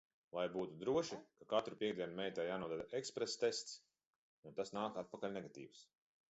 Lai būtu droši, katru piektdienu meitai jānodod eksprestests, un tas nāk atpakaļ negatīvs!